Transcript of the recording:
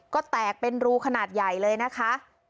ก็แตกเป็นรูขนาดใหญ่เลยนะคะ